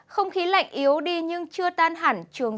không khí lạnh yếu đi nhưng chưa tan hẳn